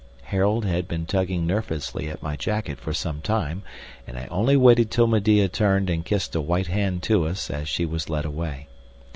Harold had been tugging nervously at my jacket for some time, and I only waited till Medea turned and kissed a white hand to us as she was led away.